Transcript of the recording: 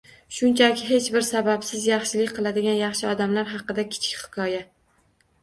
Shunchaki, hech bir sababsiz yaxshilik qiladigan yaxshi odamlar haqida kichik hikoya